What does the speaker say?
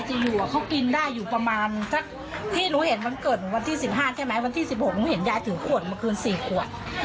ตอนที่๑๖ผมเห็นยายถือขวดเมื่อคืน๔ขวด